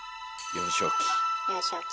幼少期。